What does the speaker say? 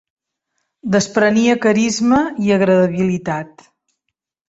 Desprenia carisma i agradabilitat.